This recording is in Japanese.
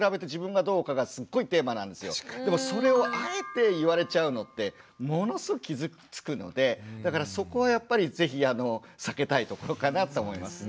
それをあえて言われちゃうのってものすごく傷つくのでだからそこはやっぱり是非避けたいところかなと思いますね。